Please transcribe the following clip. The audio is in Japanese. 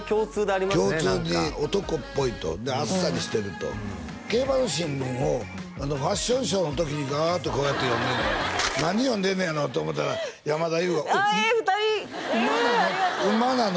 何か共通に男っぽいとであっさりしてると競馬の新聞をファッションショーの時にガーッとこうやって読んでんねや何読んでんねやろと思ったら山田優が「馬なの？